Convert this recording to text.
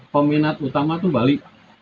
peminat utama itu bali